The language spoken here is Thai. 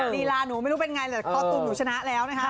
ลีลาหนูไม่รู้เป็นไงแต่คอตูมหนูชนะแล้วนะคะ